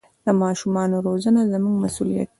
د ماشومانو روزنه زموږ مسوولیت دی.